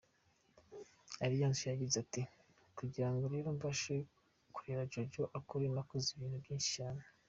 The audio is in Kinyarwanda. Alliance yagize ati, “kugira ngo rero mbashe kurera Jojo akure nakoze ibintu byinshi cyane.